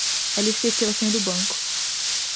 Ela esqueceu a senha do banco.